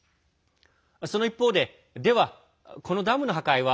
その一方ででは、このダムの破壊は